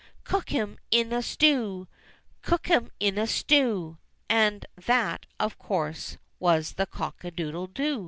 Cook him in a stew ! Cook him in a stew !*" {And thaty of course, was the cock a doodle do.)